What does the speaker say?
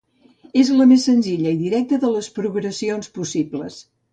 És la més senzilla i directa de les progressions possibles.